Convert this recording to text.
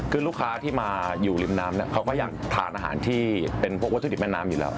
คือลูกค้าที่มาอยู่ริมน้ำเนี่ยเขาก็ยังทานอาหารที่เป็นพวกวัตถุดิบแม่น้ำอยู่แล้ว